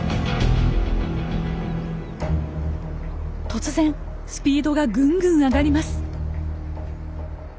突然スピードがぐんぐん上がります。